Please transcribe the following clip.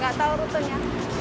gak tau rutunya